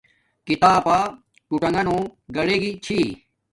کتاب با ٹوٹانݣوں گاڈیگی چھی